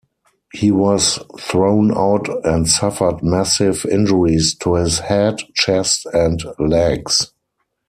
He was thrown out and suffered massive injuries to his head, chest and legs.